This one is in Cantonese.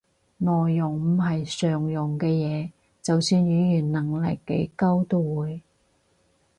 內容唔係常用嘅嘢，就算語言能力幾高都會